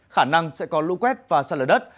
khả năng sẽ có lũ quét và sạt lở đất